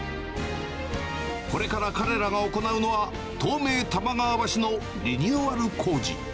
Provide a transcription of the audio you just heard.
これから彼らが行うのは、東名多摩川橋のリニューアル工事。